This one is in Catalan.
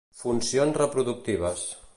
Funcions reproductives.